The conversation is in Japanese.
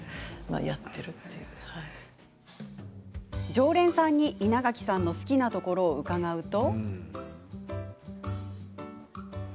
常連さんに、稲垣さんの好きなところを伺うと。